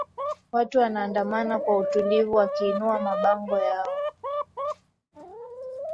watu wanaandamana kwa utulivu wakiinua mabango yao